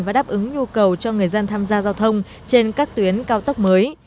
và đáp ứng nhu cầu cho người dân tham gia giao thông trên các tuyến cao tốc mới